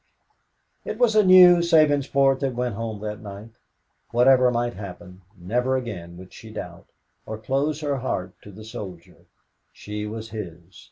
It was a new Sabinsport that went home that night. Whatever might happen, never again would she doubt, or close her heart to the soldier. She was his.